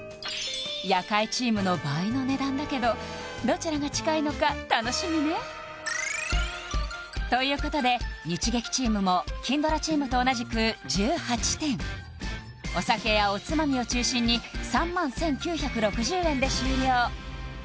夜会チームの倍の値段だけどどちらが近いのか楽しみねということで日劇チームも金ドラチームと同じく１８点お酒やおつまみを中心に３１９６０円で終了